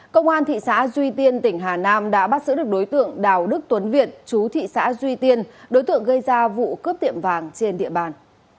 công an thị xã duy tiên tỉnh hà nam đã bắt giữ được đối tượng đào đức tuấn việt chú thị xã duy tiên đối tượng gây ra vụ cướp tiệm vàng trên địa bàn